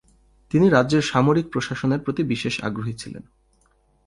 তিনি রাজ্যের সামরিক প্রশাসনের প্রতি বিশেষ আগ্রহী ছিলেন।